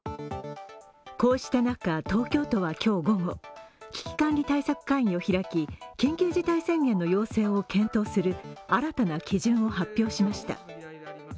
こうした中、東京都は今日午後危機管理対策会議を開き、緊急自体宣言の要請を決める新たな基準を発表しました。